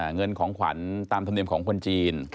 เงินของขวัญตามธรรมเนียมของคนจีน